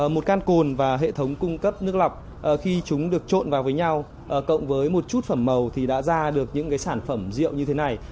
một can cồn và hệ thống cung cấp nước lọc khi chúng được trộn vào với nhau cộng với một chút phẩm màu thì đã ra được những sản phẩm rượu như thế này